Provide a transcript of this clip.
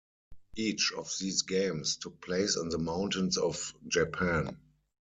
Each of these games took place in the mountains of Japan.